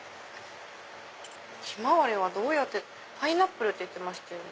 ヒマワリはどうやってパイナップルって言ってましたね。